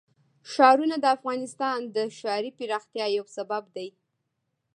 ښارونه د افغانستان د ښاري پراختیا یو سبب دی.